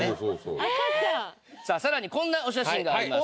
赤ちゃん更にこんなお写真があります